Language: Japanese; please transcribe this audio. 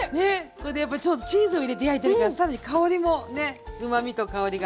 これでやっぱちょうどチーズを入れて焼いてるから更に香りもねうまみと香りが。